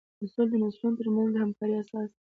اصول د نسلونو تر منځ د همکارۍ اساس دي.